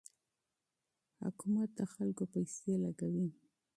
حکومت د خلکو پیسې لګوي.